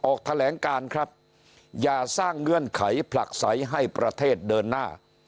ออกแถลงการครับอย่าสร้างเงื่อนไขผลักใสให้ประเทศเดินหน้า